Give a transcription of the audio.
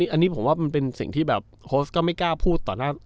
อันนี้ผมว่ามันเป็นสิ่งที่แบบโฮสก็ไม่กล้าพูดต่อหน้า